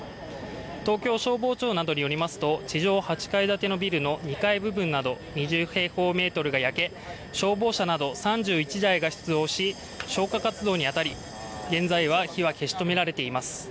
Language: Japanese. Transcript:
東京消防庁などによりますと、地上８階建てビルの２階部分など２０平方メートルが焼け消防車など３１台が出動し、消火活動に当たり、現在は火は消し止められています。